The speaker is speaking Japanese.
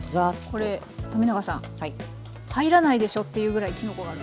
これ冨永さん入らないでしょというぐらいきのこが。